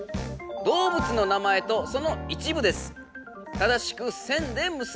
動物の名前とその一部です。